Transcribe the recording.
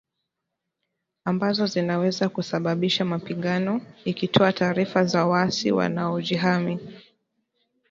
ambazo zinaweza kusababisha mapigano ikitoa taarifa za waasi wanaojihami